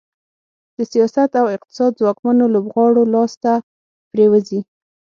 د سیاست او اقتصاد ځواکمنو لوبغاړو لاس ته پرېوځي.